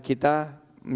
putih itu adalah susu